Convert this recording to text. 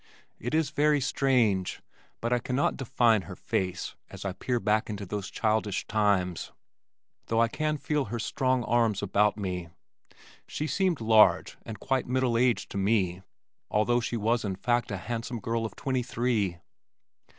It is very strange, but I cannot define her face as I peer back into those childish times, though I can feel her strong arms about me. She seemed large and quite middle aged to me, although she was in fact a handsome girl of twenty three.